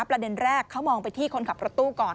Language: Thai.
ประเด็นแรกเขามองไปที่คนขับรถตู้ก่อน